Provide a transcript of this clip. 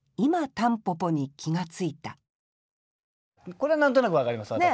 これ何となく分かります私も。